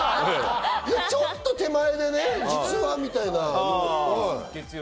ちょっと手前でね、実はみたいな。